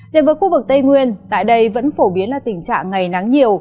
đến với khu vực tây nguyên tại đây vẫn phổ biến là tình trạng ngày nắng nhiều